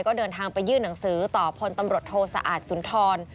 ก็เดินทางไปยื่นหนังสือต่อพลตำรวจโทษสะอาดสุนทร